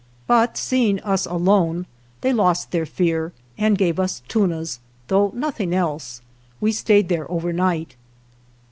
But, seeing us alone, they lost their fear, and gave us tunas, though nothing else. We stayed there over night.